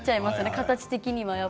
形的には。